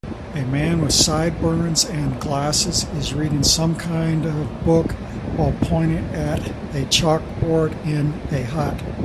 A man with sideburns and glasses is reading some kind of book while pointing at a chalkboard in a hut